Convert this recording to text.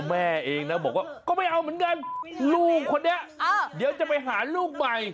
แม่เองนะบอกว่าก็ไม่เอาเหมือนกันลูกคนนี้เดี๋ยวจะไปหาลูกใหม่